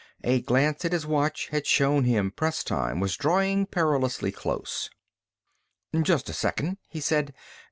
A glance at his watch had shown him press time was drawing perilously close. "Just a second," he said.